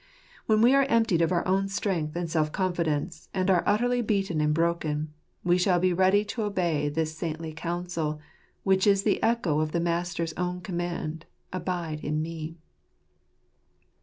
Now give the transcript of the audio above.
When we are emptied of our own strength and self confidence, and are utterly beaten and broken, we shall be ready to obey this saintly counsel, which is the echo of the Master's own command —" Abide in Me